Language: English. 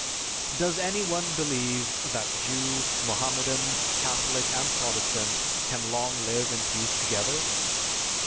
Does any one believe that Jew, Mohammedan, Catholic, and Protestant can long live in peace together?